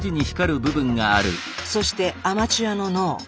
そしてアマチュアの脳。